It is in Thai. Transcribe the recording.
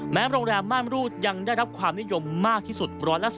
โรงแรมม่านรูดยังได้รับความนิยมมากที่สุด